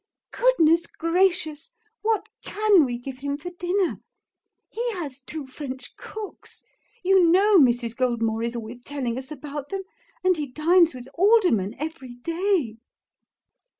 'Goodness gracious! what CAN we give him for dinner? He has two French cooks; you know Mrs. Goldmore is always telling us about them; and he dines with Aldermen every day.'